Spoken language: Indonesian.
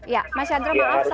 ya harusnya menjadi prioritas ya